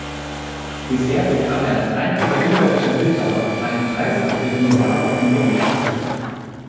Bisher bekam er als einziger ungarischer Bildhauer einen Preis auf der Biennale von Venedig.